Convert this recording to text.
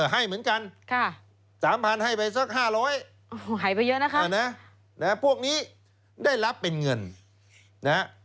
ให้เหมือนกันสามพันให้ไปสัก๕๐๐บาทนะครับพวกนี้ได้รับเป็นเงิน